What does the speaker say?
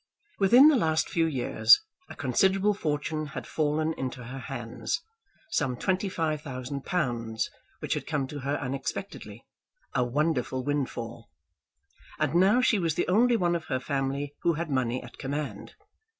Within the last few years a considerable fortune had fallen into her hands, some twenty five thousand pounds, which had come to her unexpectedly, a wonderful windfall. And now she was the only one of her family who had money at command.